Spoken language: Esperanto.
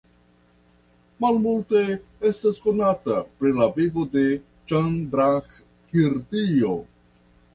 Malmulte estas konata pri la vivo de Ĉandrakirtio.